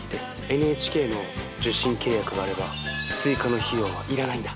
ＮＨＫの受信契約があれば追加の費用は要らないんだ。